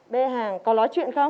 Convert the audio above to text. bê hàng có nói chuyện không